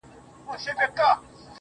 o قاضي صاحبه ملامت نه یم، بچي وږي وه.